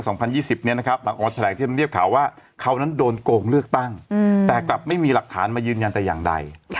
หลังออสแถลงที่ทำเรียบข่าวว่าเขานั้นโดนโกงเลือกตั้งแต่กลับไม่มีหลักฐานมายืนยันแต่อย่างใด